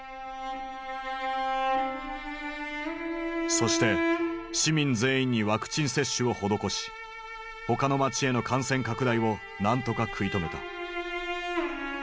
そして市民全員にワクチン接種を施し他の町への感染拡大を何とか食い止めた。